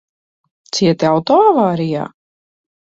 Cieti auto avārijā?